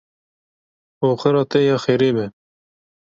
Oxira te ya xêrê be.